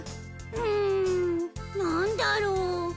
うんなんだろう。